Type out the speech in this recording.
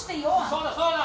そうだそうだ！